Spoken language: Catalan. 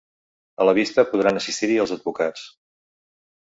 A la vista podran assistir-hi els advocats.